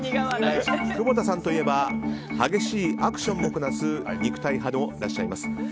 久保田さんといえば激しいアクションもこなす肉体派でもいらっしゃいます。